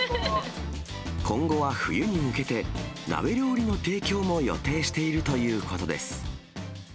今後は冬に向けて、鍋料理の提供も予定しているということです。